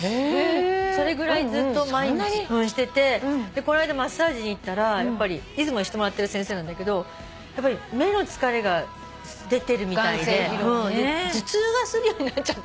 それぐらいずっと毎日しててこの間マッサージに行ったらいつもしてもらってる先生なんだけど目の疲れが出てるみたいで頭痛がするようになっちゃったのね。